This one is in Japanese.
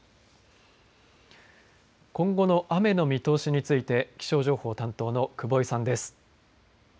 今後の雨の見通しについて、気象情報担当の久保井さんです。